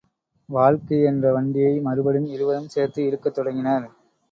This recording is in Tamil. வாழ்க்கை என்ற வண்டியை மறுபடியும் இருவரும் சேர்த்து இழுக்கத் தொடங்கினர்.